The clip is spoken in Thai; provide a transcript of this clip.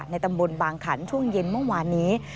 ตำบลบางขันช่วงเย็นเมื่อวานนี้